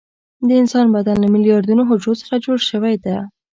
د انسان بدن له میلیاردونو حجرو څخه جوړ شوى ده.